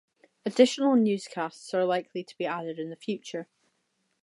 Additional newscasts are likely to be added in the future.